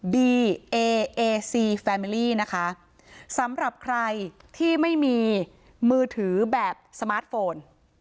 ดีเอซีแฟมิลี่นะคะสำหรับใครที่ไม่มีมือถือแบบสมาร์ทโฟน